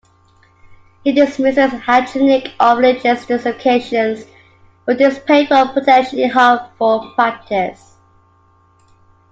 He dismisses hygienic or religious justifications for this painful and potentially harmful practice.